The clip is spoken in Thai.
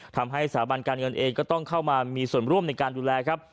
ทำให้สถาบันการเงินเองก็ต้องเข้ามามีส่วนร่วมในการดูแลครับ